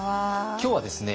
今日はですね